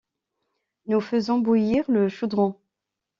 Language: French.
Nous faisons bouillir le chaudron.